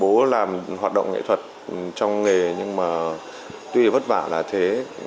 bố làm hoạt động nghệ thuật trong nghề nhưng mà tuy vất vả là thế